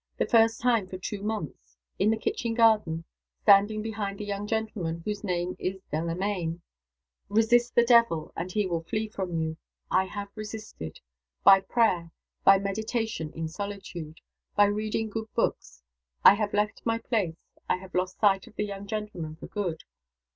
The first time for two months past. In the kitchen garden. Standing behind the young gentleman whose name is Delamayn. Resist the Devil, and he will flee from you. I have resisted. By prayer. By meditation in solitude. By reading good books. I have left my place. I have lost sight of the young gentleman for good.